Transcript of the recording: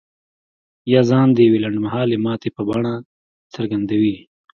يا ځان د يوې لنډ مهالې ماتې په بڼه څرګندوي.